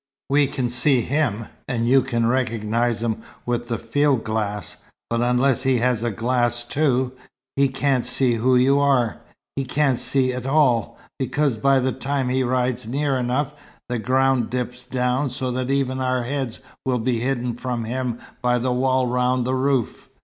We can see him, and you can recognize him with the field glass, but unless he has a glass too, he can't see who you are he can't see at all, because by the time he rides near enough, the ground dips down so that even our heads will be hidden from him by the wall round the roof.